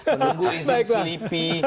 menunggu izin selipi